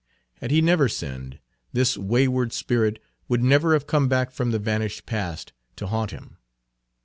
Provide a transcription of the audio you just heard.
Had he never sinned, this wayward spirit would never have come back from the vanished past to haunt him.